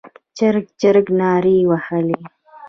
چرچرک نارې وهلې.